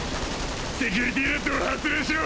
セキュリティレッドを発令しろ。